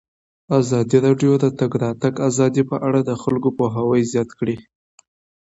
ازادي راډیو د د تګ راتګ ازادي په اړه د خلکو پوهاوی زیات کړی.